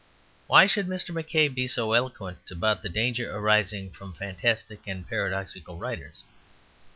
Why should Mr. McCabe be so eloquent about the danger arising from fantastic and paradoxical writers?